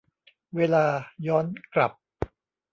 เวลาย้อนกลับ